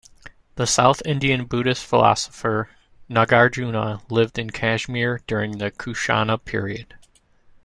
The south Indian Buddhist philosopher Nagarjuna lived in Kashmir during the Kushana period.